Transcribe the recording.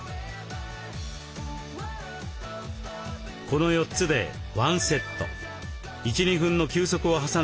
この４つで１セット。